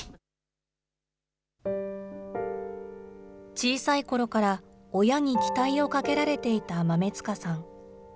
小さいころから親に期待をかけられていた豆塚さん。